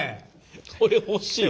これ欲しいわ！